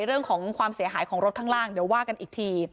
เรื่องของความเสียหายของรถข้างล่างเดี๋ยวว่ากันอีกที